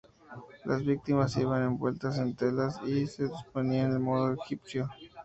Las víctimas iban envueltas en telas y se disponían al modo egipcio.